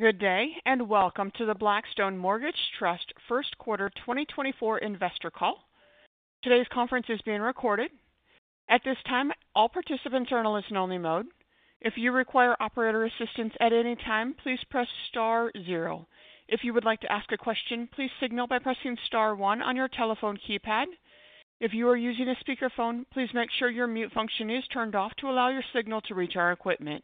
Good day, and welcome to the Blackstone Mortgage Trust First Quarter 2024 Investor Call. Today's conference is being recorded. At this time, all participants are in listen-only mode. If you require operator assistance at any time, please press star zero. If you would like to ask a question, please signal by pressing star one on your telephone keypad. If you are using a speakerphone, please make sure your mute function is turned off to allow your signal to reach our equipment.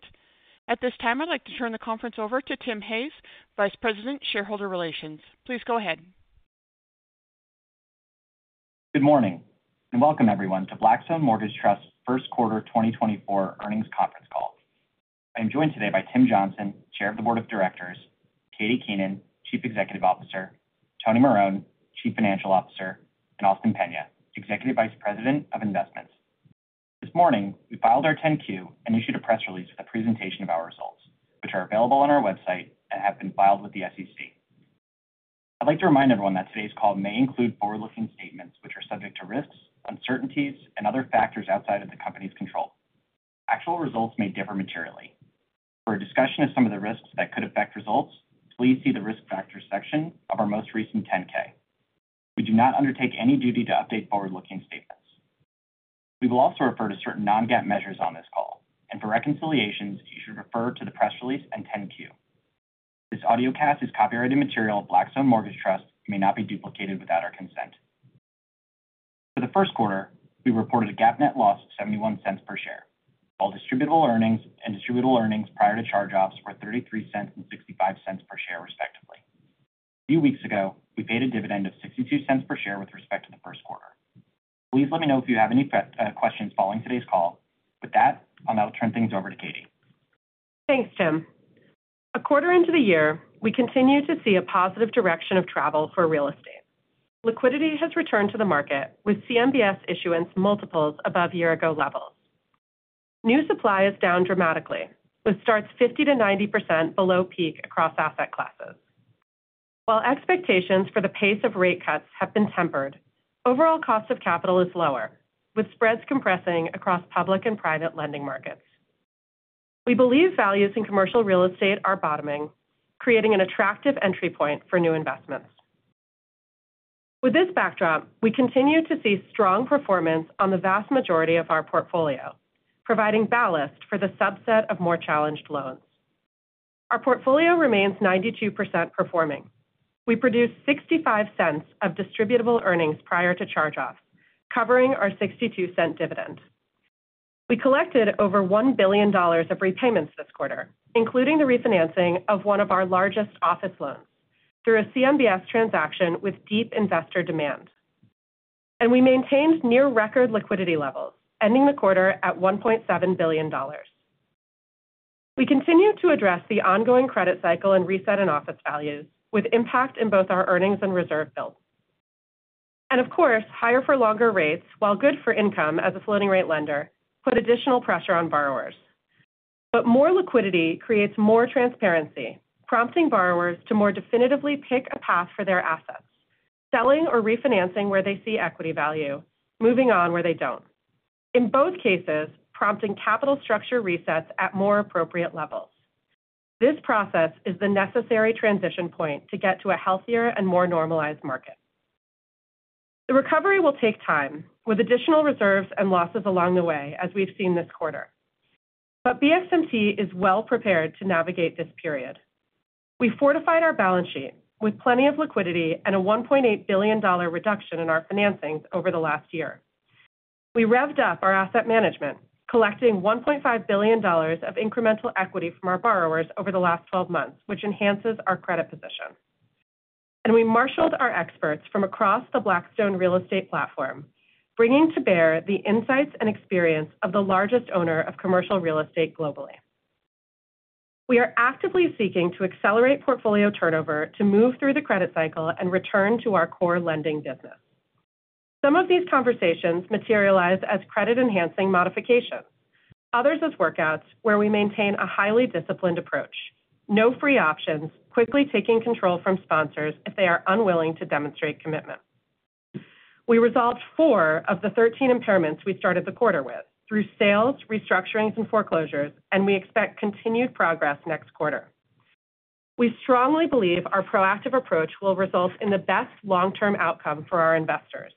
At this time, I'd like to turn the conference over to Tim Hayes, Vice President, Shareholder Relations. Please go ahead. Good morning, and welcome everyone to Blackstone Mortgage Trust's first quarter 2024 earnings conference call. I am joined today by Tim Johnson, Chair of the Board of Directors, Katie Keenan, Chief Executive Officer, Tony Marone, Chief Financial Officer, and Austin Peña, Executive Vice President of Investments. This morning, we filed our 10-Q and issued a press release with a presentation of our results, which are available on our website and have been filed with the SEC. I'd like to remind everyone that today's call may include forward-looking statements, which are subject to risks, uncertainties, and other factors outside of the company's control. Actual results may differ materially. For a discussion of some of the risks that could affect results, please see the Risk Factors section of our most recent 10-K. We do not undertake any duty to update forward-looking statements. We will also refer to certain non-GAAP measures on this call, and for reconciliations, you should refer to the press release and 10-Q. This audiocast is copyrighted material of Blackstone Mortgage Trust and may not be duplicated without our consent. For the first quarter, we reported a GAAP net loss of $0.71 per share, while distributable earnings and distributable earnings prior to charge-offs were $0.33 and $0.65 per share, respectively. A few weeks ago, we paid a dividend of $0.62 per share with respect to the first quarter. Please let me know if you have any questions following today's call. With that, I'll now turn things over to Katie. Thanks, Tim. A quarter into the year, we continue to see a positive direction of travel for real estate. Liquidity has returned to the market, with CMBS issuance multiples above year-ago levels. New supply is down dramatically, with starts 50%-90% below peak across asset classes. While expectations for the pace of rate cuts have been tempered, overall cost of capital is lower, with spreads compressing across public and private lending markets. We believe values in commercial real estate are bottoming, creating an attractive entry point for new investments. With this backdrop, we continue to see strong performance on the vast majority of our portfolio, providing ballast for the subset of more challenged loans. Our portfolio remains 92% performing. We produced $0.65 of distributable earnings prior to charge-off, covering our $0.62 dividend. We collected over $1 billion of repayments this quarter, including the refinancing of one of our largest office loans through a CMBS transaction with deep investor demand. We maintained near record liquidity levels, ending the quarter at $1.7 billion. We continue to address the ongoing credit cycle and reset in office values, with impact in both our earnings and reserve builds. Of course, higher for longer rates, while good for income as a floating rate lender, put additional pressure on borrowers. More liquidity creates more transparency, prompting borrowers to more definitively pick a path for their assets, selling or refinancing where they see equity value, moving on where they don't. In both cases, prompting capital structure resets at more appropriate levels. This process is the necessary transition point to get to a healthier and more normalized market. The recovery will take time, with additional reserves and losses along the way, as we've seen this quarter. But BXMT is well prepared to navigate this period. We fortified our balance sheet with plenty of liquidity and a $1.8 billion reduction in our financings over the last year. We revved up our asset management, collecting $1.5 billion of incremental equity from our borrowers over the last 12 months, which enhances our credit position. And we marshaled our experts from across the Blackstone real estate platform, bringing to bear the insights and experience of the largest owner of commercial real estate globally. We are actively seeking to accelerate portfolio turnover to move through the credit cycle and return to our core lending business. Some of these conversations materialize as credit-enhancing modifications, others as workouts where we maintain a highly disciplined approach. No free options, quickly taking control from sponsors if they are unwilling to demonstrate commitment. We resolved four of the 13 impairments we started the quarter with through sales, restructurings, and foreclosures, and we expect continued progress next quarter. We strongly believe our proactive approach will result in the best long-term outcome for our investors.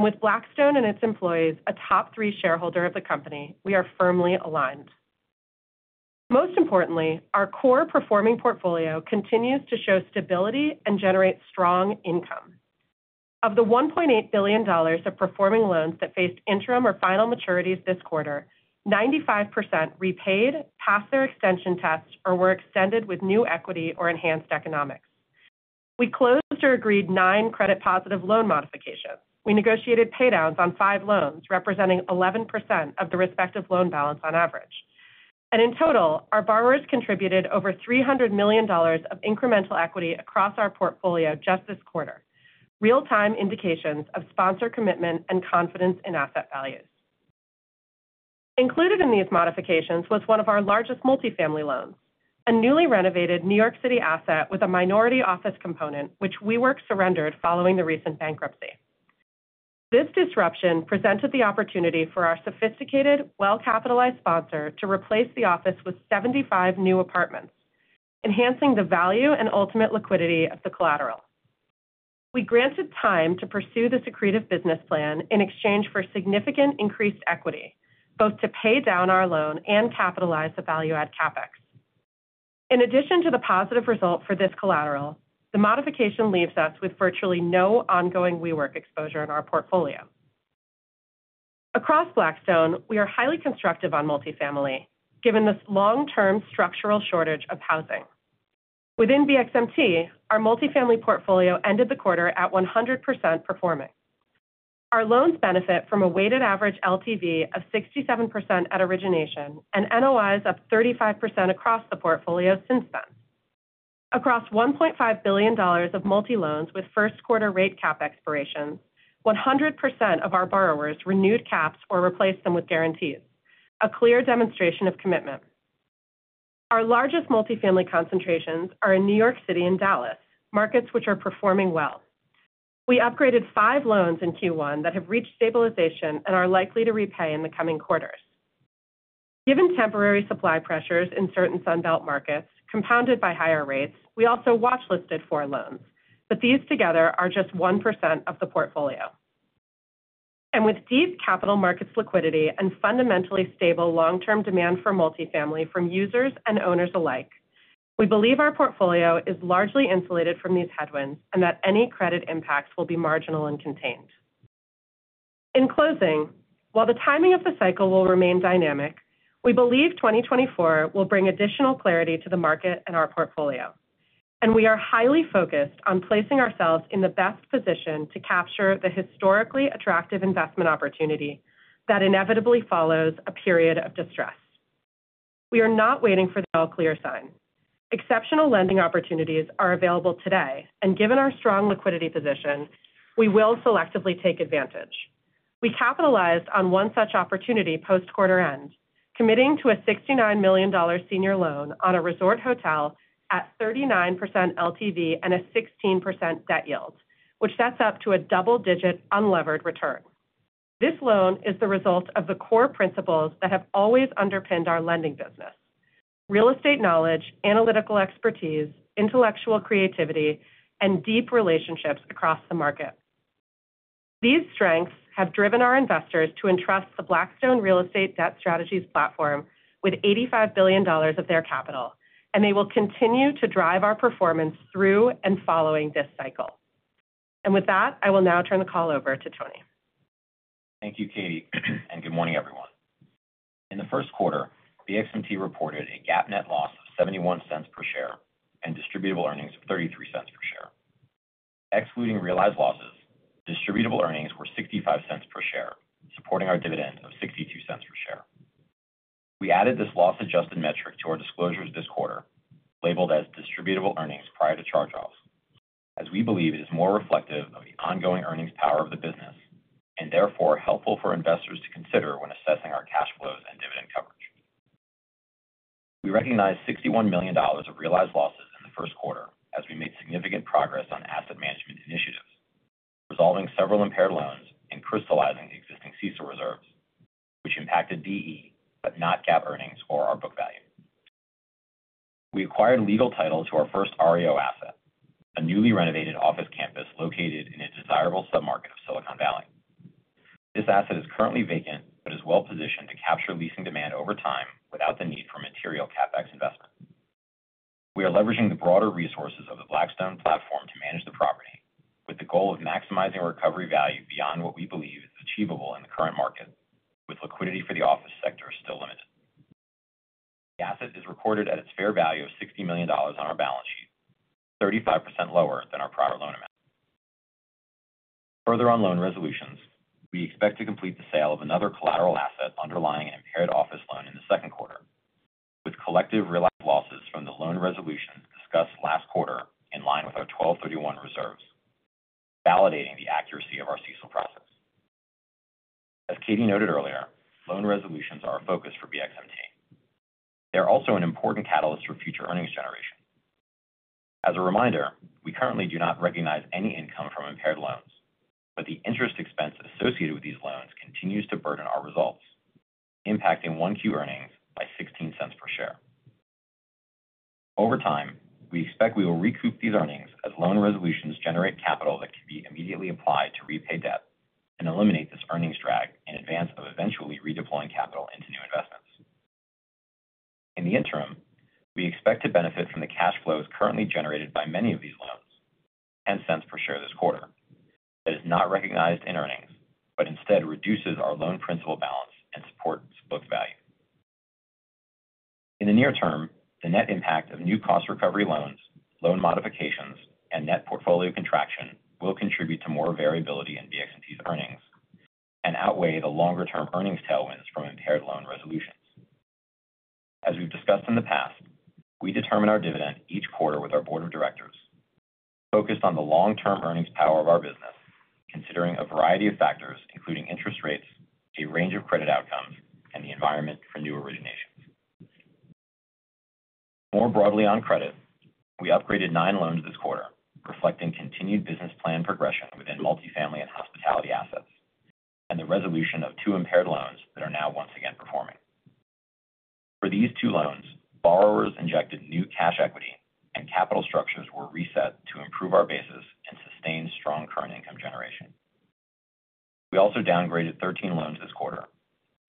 With Blackstone and its employees, a top three shareholder of the company, we are firmly aligned. Most importantly, our core performing portfolio continues to show stability and generate strong income. Of the $1.8 billion of performing loans that faced interim or final maturities this quarter, 95% repaid, passed their extension test, or were extended with new equity or enhanced economics. We closed or agreed nine credit-positive loan modifications. We negotiated paydowns on five loans, representing 11% of the respective loan balance on average. In total, our borrowers contributed over $300 million of incremental equity across our portfolio just this quarter, real-time indications of sponsor commitment and confidence in asset values. Included in these modifications was one of our largest multifamily loans, a newly renovated New York City asset with a minority office component, which WeWork surrendered following the recent bankruptcy. This disruption presented the opportunity for our sophisticated, well-capitalized sponsor to replace the office with 75 new apartments, enhancing the value and ultimate liquidity of the collateral. We granted time to pursue the secretive business plan in exchange for significant increased equity, both to pay down our loan and capitalize the value-add CapEx. In addition to the positive result for this collateral, the modification leaves us with virtually no ongoing WeWork exposure in our portfolio. Across Blackstone, we are highly constructive on multifamily, given this long-term structural shortage of housing. Within BXMT, our multifamily portfolio ended the quarter at 100% performing. Our loans benefit from a weighted average LTV of 67% at origination, and NOIs up 35% across the portfolio since then. Across $1.5 billion of multi loans with first quarter rate cap expirations, 100% of our borrowers renewed caps or replaced them with guarantees, a clear demonstration of commitment. Our largest multifamily concentrations are in New York City and Dallas, markets which are performing well. We upgraded five loans in Q1 that have reached stabilization and are likely to repay in the coming quarters. Given temporary supply pressures in certain Sun Belt markets, compounded by higher rates, we also watchlisted four loans, but these together are just 1% of the portfolio. With deep capital markets liquidity and fundamentally stable long-term demand for multifamily from users and owners alike, we believe our portfolio is largely insulated from these headwinds, and that any credit impacts will be marginal and contained. In closing, while the timing of the cycle will remain dynamic, we believe 2024 will bring additional clarity to the market and our portfolio, and we are highly focused on placing ourselves in the best position to capture the historically attractive investment opportunity that inevitably follows a period of distress. We are not waiting for the all clear sign. Exceptional lending opportunities are available today, and given our strong liquidity position, we will selectively take advantage. We capitalized on one such opportunity post-quarter end, committing to a $69 million senior loan on a resort hotel at 39% LTV and a 16% debt yield, which sets up to a double-digit unlevered return. This loan is the result of the core principles that have always underpinned our lending business, real estate knowledge, analytical expertise, intellectual creativity, and deep relationships across the market. These strengths have driven our investors to entrust the Blackstone Real Estate Debt Strategies platform with $85 billion of their capital, and they will continue to drive our performance through and following this cycle. And with that, I will now turn the call over to Tony. Thank you, Katie, and good morning, everyone. In the first quarter, BXMT reported a GAAP net loss of $0.71 per share and distributable earnings of $0.33 per share. Excluding realized losses, distributable earnings were $0.65 per share, supporting our dividend of $0.62 per share. We added this loss-adjusted metric to our disclosures this quarter, labeled as distributable earnings prior to charge-offs, as we believe it is more reflective of the ongoing earnings power of the business, and therefore helpful for investors to consider when assessing our cash flows and dividend coverage. We recognized $61 million of realized losses in the first quarter as we made significant progress on asset management initiatives, resolving several impaired loans and crystallizing the existing CECL reserves, which impacted DE, but not GAAP earnings or our book value. We acquired legal title to our first REO asset, a newly renovated office campus located in a desirable submarket of Silicon Valley. This asset is currently vacant, but is well-positioned to capture leasing demand over time without the need for material CapEx investment. We are leveraging the broader resources of the Blackstone platform to manage the property, with the goal of maximizing recovery value beyond what we believe is achievable in the current market, with liquidity for the office sector still limited. The asset is recorded at its fair value of $60 million on our balance sheet, 35% lower than our prior loan amount. Further on loan resolutions, we expect to complete the sale of another collateral asset underlying an impaired office loan in the second quarter, with collective realized losses from the loan resolution discussed last quarter in line with our 12/31 reserves, validating the accuracy of our CECL process. As Katie noted earlier, loan resolutions are a focus for BXMT. They're also an important catalyst for future earnings generation. As a reminder, we currently do not recognize any income from impaired loans, but the interest expense associated with these loans continues to burden our results, impacting 1Q earnings by $0.16 per share. Over time, we expect we will recoup these earnings as loan resolutions generate capital that can be immediately applied to repay debt and eliminate this earnings drag in advance of eventually redeploying capital into new investments. In the interim, we expect to benefit from the cash flows currently generated by many of these loans, $0.10 per share this quarter. That is not recognized in earnings, but instead reduces our loan principal balance and supports book value. In the near term, the net impact of new cost recovery loans, loan modifications, and net portfolio contraction will contribute to more variability in BXMT's earnings and outweigh the longer-term earnings tailwinds from impaired loan resolutions. As we've discussed in the past, we determine our dividend each quarter with our board of directors, focused on the long-term earnings power of our business, considering a variety of factors, including interest rates, a range of credit outcomes, and the environment for new origination. More broadly on credit, we upgraded nine loans this quarter, reflecting continued business plan progression within multifamily and hospitality assets, and the resolution of two impaired loans that are now once again performing. For these two loans, borrowers injected new cash equity and capital structures were reset to improve our basis and sustain strong current income generation. We also downgraded 13 loans this quarter,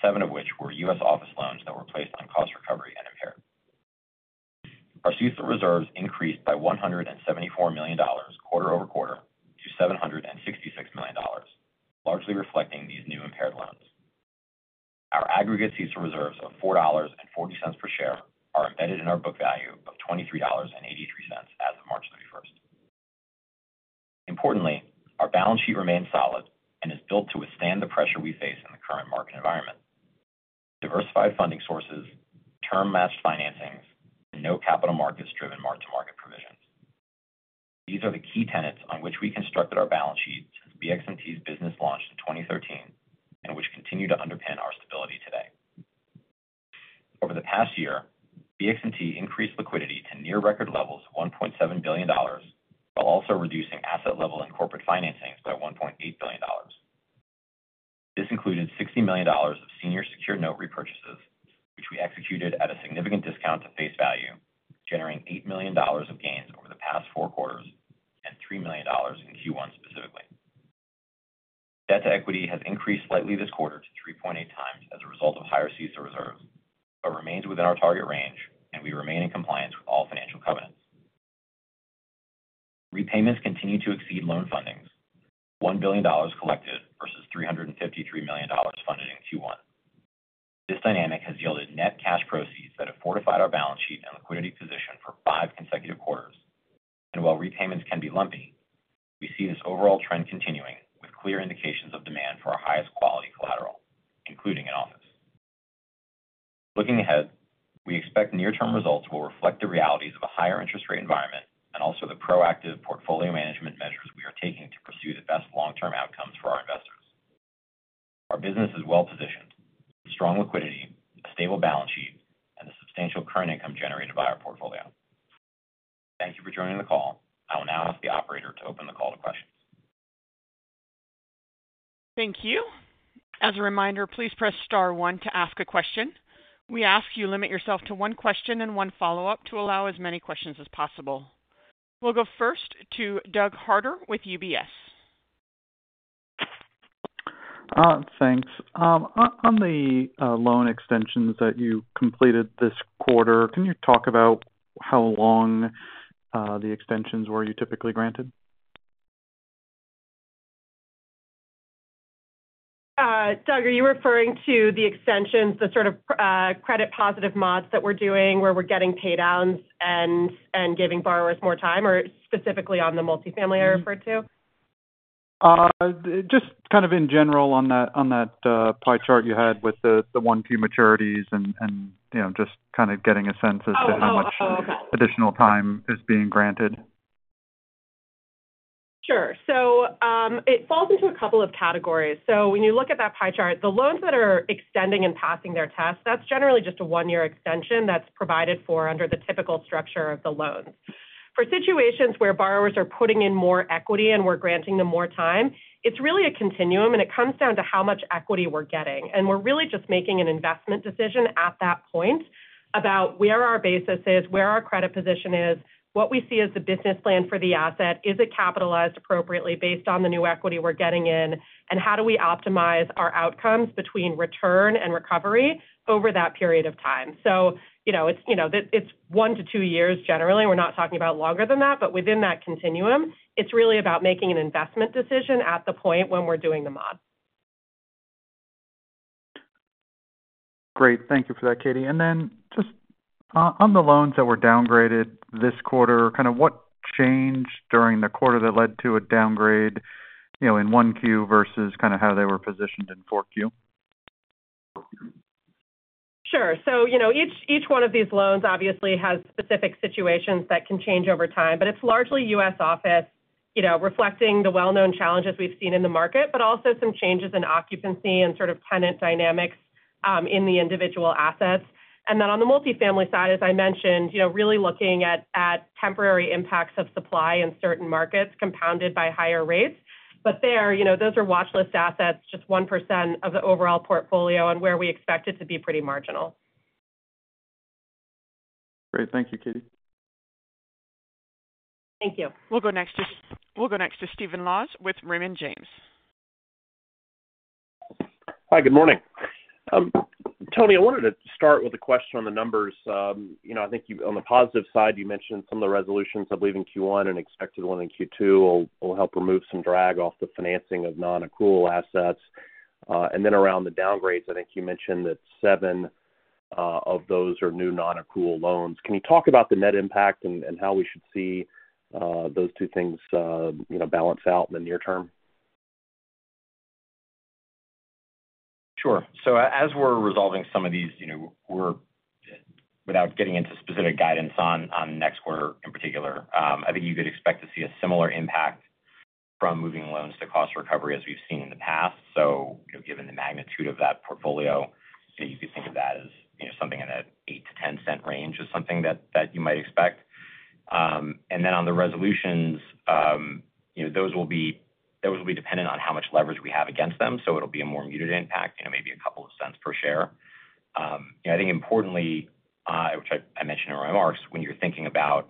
seven of which were U.S. office loans that were placed on cost recovery and impaired. Our CECL reserves increased by $174 million quarter-over-quarter to $766 million, largely reflecting these new impaired loans. Our aggregate CECL reserves of $4.40 per share are embedded in our book value of $23.83 as of March 31st. Importantly, our balance sheet remains solid and is built to withstand the pressure we face in the current market environment. Diversified funding sources, term-matched financings, and no capital markets-driven mark-to-market provisions. These are the key tenets on which we constructed our balance sheet since BXMT's business launch in 2013, and which continue to underpin our stability today. Over the past year, BXMT increased liquidity to near record levels of $1.7 billion, while also reducing asset level and corporate financings by $1.8 billion. This included $60 million of senior secured note repurchases, which we executed at a significant discount to face value, generating $8 million of gains over the past four quarters and $3 million in Q1 specifically. Debt to equity has increased slightly this quarter to 3.8x as a result of higher CECL reserves, but remains within our target range, and we remain in compliance with all financial covenants. Repayments continue to exceed loan fundings, $1 billion collected versus $353 million funded in Q1. This dynamic has yielded net cash proceeds that have fortified our balance sheet and liquidity position for five consecutive quarters. While repayments can be lumpy, we see this overall trend continuing with clear indications of demand for our highest quality collateral, including in office. Looking ahead, we expect near-term results will reflect the realities of a higher interest rate environment and also the proactive portfolio management measures we are taking to pursue the best long-term outcomes for our investors. Our business is well positioned, with strong liquidity, a stable balance sheet, and a substantial current income generated by our portfolio. Thank you for joining the call. I will now ask the operator to open the call to questions. Thank you. As a reminder, please press star one to ask a question. We ask you limit yourself to one question and one follow-up to allow as many questions as possible. We'll go first to Doug Harter with UBS. Thanks. On the loan extensions that you completed this quarter, can you talk about how long the extensions were you typically granted? Doug, are you referring to the extensions, the sort of, credit positive mods that we're doing, where we're getting pay downs and, and giving borrowers more time, or specifically on the multifamily I referred to? Just kind of in general on that pie chart you had with the 1Q maturities and, you know, just kind of getting a sense as to- Oh, oh, oh, okay. How much additional time is being granted? Sure. So, it falls into a couple of categories. So when you look at that pie chart, the loans that are extending and passing their tests, that's generally just a one-year extension that's provided for under the typical structure of the loans. For situations where borrowers are putting in more equity and we're granting them more time, it's really a continuum, and it comes down to how much equity we're getting. And we're really just making an investment decision at that point about where our basis is, where our credit position is, what we see as the business plan for the asset, is it capitalized appropriately based on the new equity we're getting in, and how do we optimize our outcomes between return and recovery over that period of time. So you know, it's, you know, it's one to two years, generally. We're not talking about longer than that, but within that continuum, it's really about making an investment decision at the point when we're doing the mod. Great. Thank you for that, Katie. And then just, on the loans that were downgraded this quarter, kind of what changed during the quarter that led to a downgrade, you know, in 1Q versus kind of how they were positioned in 4Q? Sure. So, you know, each, each one of these loans obviously has specific situations that can change over time, but it's largely U.S. office, you know, reflecting the well-known challenges we've seen in the market, but also some changes in occupancy and sort of tenant dynamics in the individual assets. And then on the multifamily side, as I mentioned, you know, really looking at, at temporary impacts of supply in certain markets, compounded by higher rates. But there, you know, those are watchlist assets, just 1% of the overall portfolio and where we expect it to be pretty marginal. Great. Thank you, Katie. Thank you. We'll go next to Stephen Laws with Raymond James. Hi, good morning. Tony, I wanted to start with a question on the numbers. You know, I think you, on the positive side, you mentioned some of the resolutions, I believe, in Q1 and expected one in Q2 will help remove some drag off the financing of non-accrual assets. And then around the downgrades, I think you mentioned that seven of those are new non-accrual loans. Can you talk about the net impact and how we should see those two things, you know, balance out in the near term? Sure. So as we're resolving some of these, you know, we're without getting into specific guidance on next quarter in particular, I think you could expect to see a similar impact from moving loans to cost recovery, as we've seen in the past. So, you know, given the magnitude of that portfolio, you know, you could think of that as, you know, something in a $0.08-$0.10 range is something that you might expect. And then on the resolutions, you know, those will be dependent on how much leverage we have against them. So it'll be a more muted impact, you know, maybe a couple of cents per share. I think importantly, which I mentioned in my remarks, when you're thinking about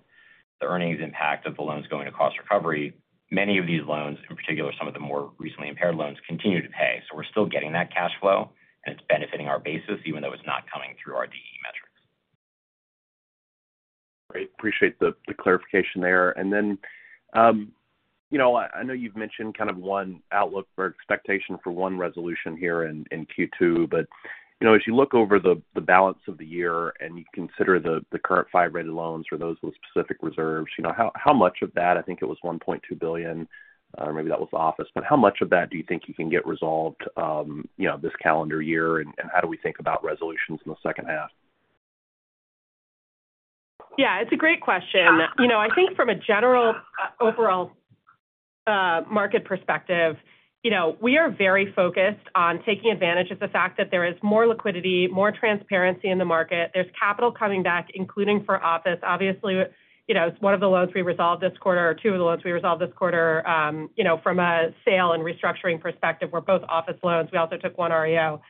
the earnings impact of the loans going to Cost Recovery, many of these loans, in particular, some of the more recently impaired loans, continue to pay. So we're still getting that cash flow, and it's benefiting our basis, even though it's not coming through our DE metrics. Great. Appreciate the clarification there. And then, you know, I know you've mentioned kind of one outlook or expectation for one resolution here in Q2, but, you know, as you look over the balance of the year and you consider the current five-rated loans or those with specific reserves, you know, how much of that, I think it was $1.2 billion, or maybe that was office, but how much of that do you think you can get resolved, you know, this calendar year? And how do we think about resolutions in the second half? Yeah, it's a great question. You know, I think from a general, overall, market perspective, you know, we are very focused on taking advantage of the fact that there is more liquidity, more transparency in the market. There's capital coming back, including for office. Obviously, you know, it's one of the loans we resolved this quarter, or two of the loans we resolved this quarter, you know, from a sale and restructuring perspective, were both office loans. We also took one REO.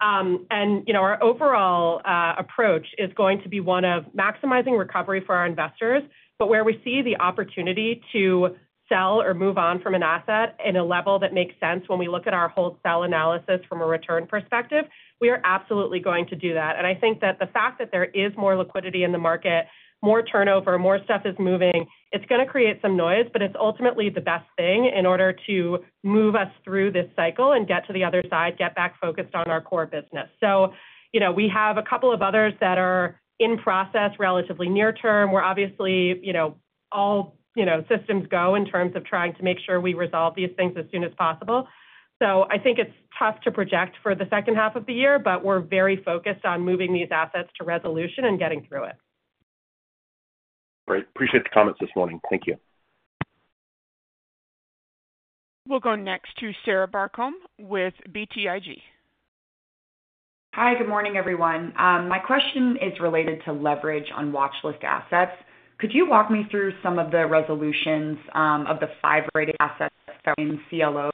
And, you know, our overall, approach is going to be one of maximizing recovery for our investors, but where we see the opportunity to sell or move on from an asset at a level that makes sense when we look at our hold-sell analysis from a return perspective, we are absolutely going to do that. I think that the fact that there is more liquidity in the market, more turnover, more stuff is moving, it's gonna create some noise, but it's ultimately the best thing in order to move us through this cycle and get to the other side, get back focused on our core business. So, you know, we have a couple of others that are in process, relatively near term. We're obviously, you know, all, you know, systems go in terms of trying to make sure we resolve these things as soon as possible. So I think it's tough to project for the second half of the year, but we're very focused on moving these assets to resolution and getting through it. Great. Appreciate your comments this morning. Thank you. We'll go next to Sarah Barcomb with BTIG. Hi, good morning, everyone. My question is related to leverage on watchlist assets. Could you walk me through some of the resolutions, of the five-rated assets in CLOs?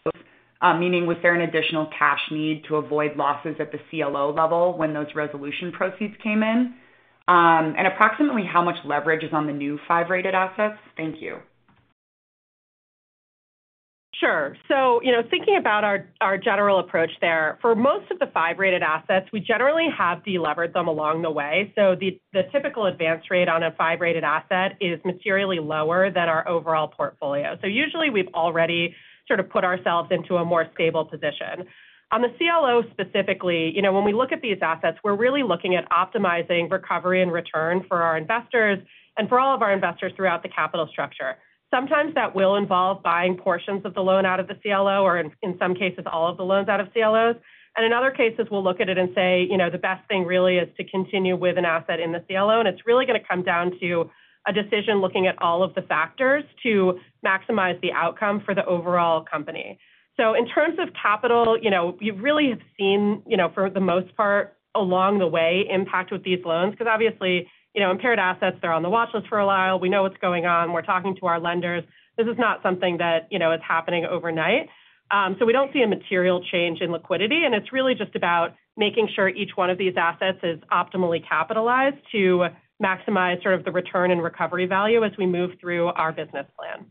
Meaning, was there an additional cash need to avoid losses at the CLO level when those resolution proceeds came in? And approximately how much leverage is on the new five-rated assets? Thank you. Sure. So, you know, thinking about our general approach there, for most of the five-rated assets, we generally have delevered them along the way. So the typical advance rate on a five-rated asset is materially lower than our overall portfolio. So usually we've already sort of put ourselves into a more stable position. On the CLO specifically, you know, when we look at these assets, we're really looking at optimizing recovery and return for our investors and for all of our investors throughout the capital structure. Sometimes that will involve buying portions of the loan out of the CLO, or in some cases, all of the loans out of CLOs. In other cases, we'll look at it and say, you know, the best thing really is to continue with an asset in the CLO, and it's really gonna come down to a decision looking at all of the factors to maximize the outcome for the overall company. So in terms of capital, you know, you really have seen, you know, for the most part, along the way, impact with these loans, because obviously, you know, impaired assets are on the watchlist for a while. We know what's going on. We're talking to our lenders. This is not something that, you know, is happening overnight. So we don't see a material change in liquidity, and it's really just about making sure each one of these assets is optimally capitalized to maximize sort of the return and recovery value as we move through our business plan.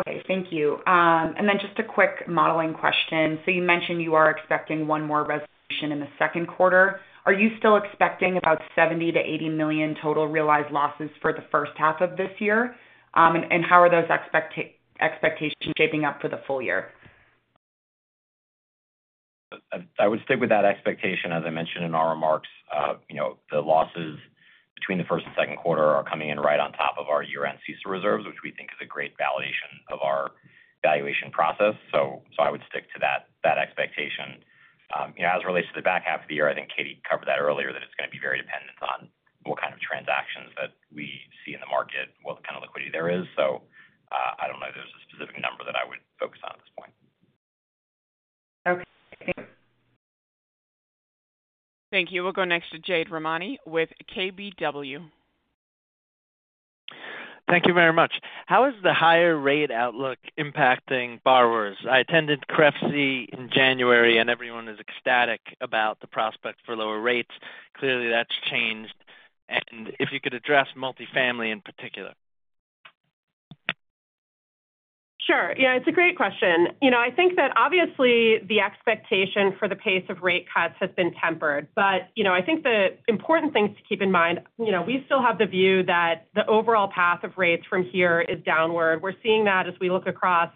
Okay, thank you. And then just a quick modeling question. So you mentioned you are expecting one more resolution in the second quarter. Are you still expecting about $70 million-$80 million total realized losses for the first half of this year? And how are those expectations shaping up for the full year? I would stick with that expectation. As I mentioned in our remarks, you know, the losses between the first and second quarter are coming in right on top of our year-end CECL reserves, which we think is a great validation of our valuation process. So I would stick to that expectation. You know, as it relates to the back half of the year, I think Katie covered that earlier, that it's gonna be very dependent on what kind of transactions that we see in the market and what kind of liquidity there is. So I don't know if there's a specific number that I would focus on at this point. Okay. Thank you. We'll go next to Jade Rahmani with KBW. Thank you very much. How is the higher rate outlook impacting borrowers? I attended CREFC in January, and everyone was ecstatic about the prospect for lower rates. Clearly, that's changed. And if you could address multifamily in particular. Sure. Yeah, it's a great question. You know, I think that obviously the expectation for the pace of rate cuts has been tempered, but, you know, I think the important thing to keep in mind, you know, we still have the view that the overall path of rates from here is downward. We're seeing that as we look across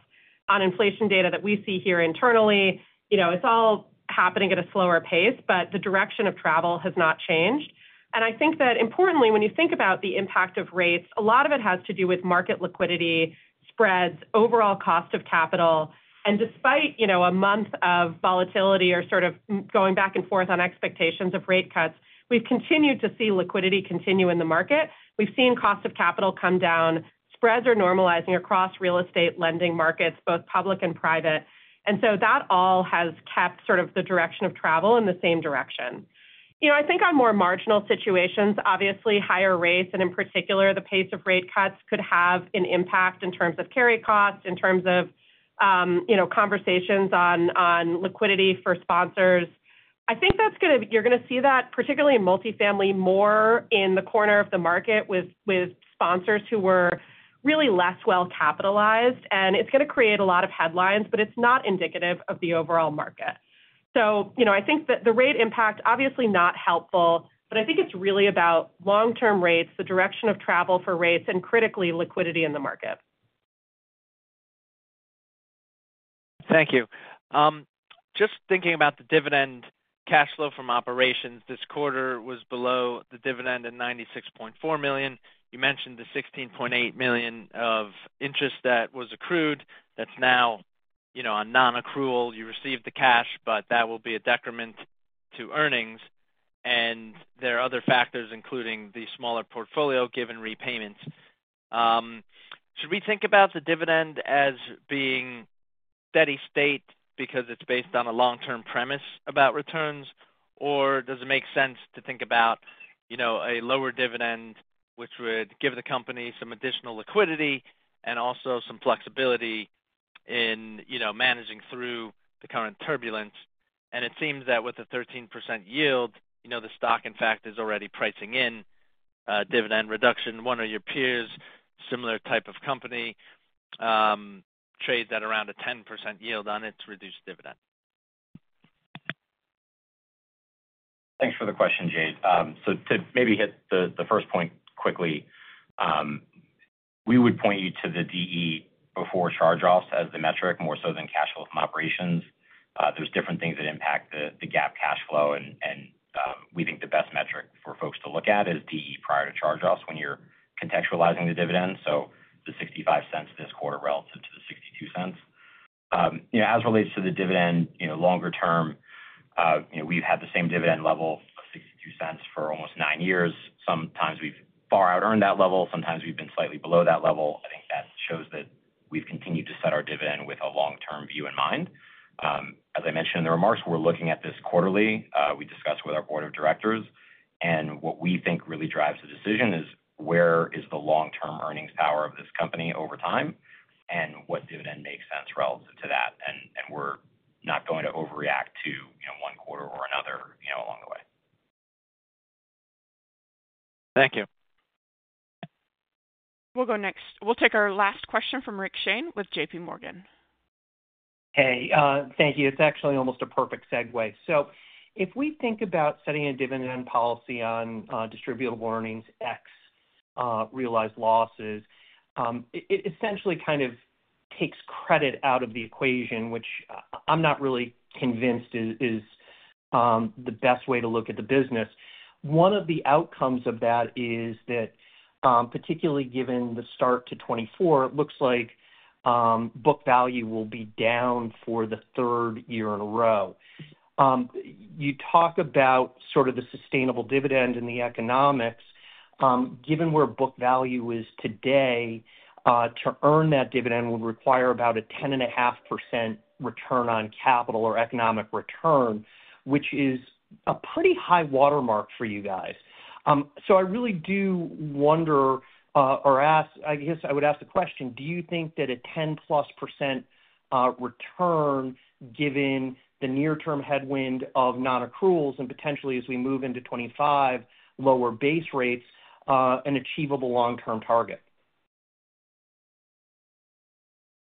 on inflation data that we see here internally. You know, it's all happening at a slower pace, but the direction of travel has not changed. And I think that importantly, when you think about the impact of rates, a lot of it has to do with market liquidity spreads, overall cost of capital, and despite, you know, a month of volatility or sort of going back and forth on expectations of rate cuts, we've continued to see liquidity continue in the market. We've seen cost of capital come down. Spreads are normalizing across real estate lending markets, both public and private. And so that all has kept sort of the direction of travel in the same direction. You know, I think on more marginal situations, obviously, higher rates, and in particular, the pace of rate cuts could have an impact in terms of carry costs, in terms of, you know, conversations on liquidity for sponsors. I think that's gonna—you're gonna see that, particularly in multifamily, more in the corner of the market with sponsors who were really less well-capitalized, and it's gonna create a lot of headlines, but it's not indicative of the overall market. So, you know, I think that the rate impact, obviously not helpful, but I think it's really about long-term rates, the direction of travel for rates, and critically, liquidity in the market. Thank you. Just thinking about the dividend cash flow from operations, this quarter was below the dividend in $96.4 million. You mentioned the $16.8 million of interest that was accrued. That's now, you know, on nonaccrual. You received the cash, but that will be a detriment to earnings, and there are other factors, including the smaller portfolio, given repayments. Should we think about the dividend as being steady state because it's based on a long-term premise about returns? Or does it make sense to think about, you know, a lower dividend, which would give the company some additional liquidity and also some flexibility in, you know, managing through the current turbulence? And it seems that with a 13% yield, you know, the stock, in fact, is already pricing in a dividend reduction. One of your peers, similar type of company, trades at around a 10% yield on its reduced dividend. Thanks for the question, Jade. So to maybe hit the first point quickly, we would point you to the DE before charge-offs as the metric, more so than cash flow from operations. There's different things that impact the GAAP cash flow, and we think the best metric for folks to look at is DE prior to charge-offs when you're contextualizing the dividend, so the $0.65 this quarter relative to the $0.62. You know, as it relates to the dividend, you know, longer term, you know, we've had the same dividend level of $0.62 for almost nine years. Sometimes we've far outearned that level. Sometimes we've been slightly below that level. I think that shows that we've continued to set our dividend with a long-term view in mind. As I mentioned in the remarks, we're looking at this quarterly, we discussed with our board of directors, and what we think really drives the decision is where is the long-term earnings power of this company over time, and what dividend makes sense relative to that. And we're not going to overreact to, you know, one quarter or another, you know, along the way. Thank you. We'll go next. We'll take our last question from Rick Shane with JPMorgan. Hey, thank you. It's actually almost a perfect segue. So if we think about setting a dividend policy on distributable earnings ex realized losses, it essentially kind of takes credit out of the equation, which I'm not really convinced is the best way to look at the business. One of the outcomes of that is that, particularly given the start to 2024, it looks like book value will be down for the third year in a row. You talk about sort of the sustainable dividend and the economics. Given where book value is today, to earn that dividend would require about a 10.5% return on capital or economic return, which is a pretty high watermark for you guys. So I really do wonder, or ask, I guess I would ask the question: Do you think that a 10%+ return, given the near-term headwind of nonaccruals and potentially as we move into 2025, lower base rates, an achievable long-term target?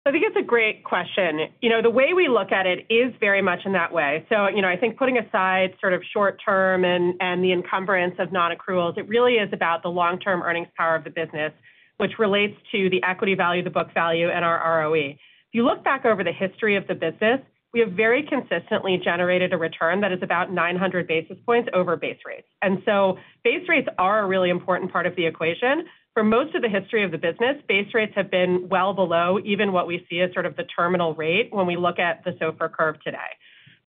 I think it's a great question. You know, the way we look at it is very much in that way. So, you know, I think putting aside sort of short term and the encumbrance of nonaccruals, it really is about the long-term earnings power of the business, which relates to the equity value, the book value, and our ROE. If you look back over the history of the business, we have very consistently generated a return that is about 900 basis points over base rates. And so base rates are a really important part of the equation. For most of the history of the business, base rates have been well below even what we see as sort of the terminal rate when we look at the SOFR curve today.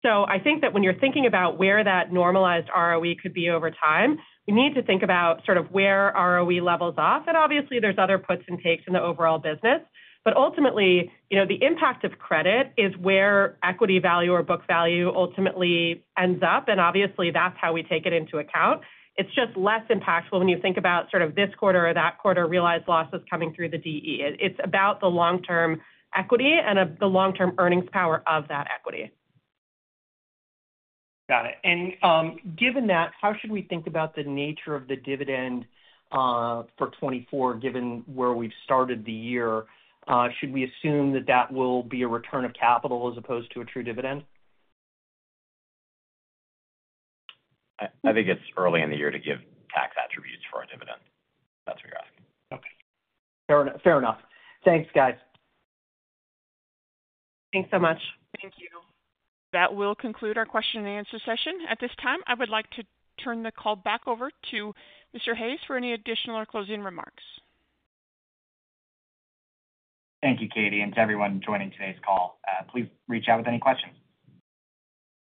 So I think that when you're thinking about where that normalized ROE could be over time, we need to think about sort of where ROE levels off, and obviously, there's other puts and takes in the overall business. But ultimately, you know, the impact of credit is where equity value or book value ultimately ends up, and obviously, that's how we take it into account. It's just less impactful when you think about sort of this quarter or that quarter, realized losses coming through the DE. It's about the long-term equity and the long-term earnings power of that equity. Got it. And, given that, how should we think about the nature of the dividend, for 2024, given where we've started the year? Should we assume that that will be a return of capital as opposed to a true dividend? I think it's early in the year to give tax attributes for our dividend, if that's what you're asking. Okay. Fair enough. Fair enough. Thanks, guys. Thanks so much. Thank you. That will conclude our question and answer session. At this time, I would like to turn the call back over to Mr. Hayes for any additional or closing remarks. Thank you, Katie, and to everyone joining today's call. Please reach out with any questions.